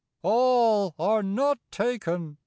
A LL are not taken !